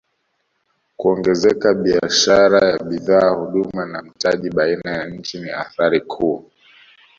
Kuongezeka biashara ya bidhaa huduma na mtaji baina ya nchi ni athari kuu